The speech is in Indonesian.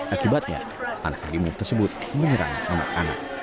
akibatnya anak harimau tersebut menyerang anak anak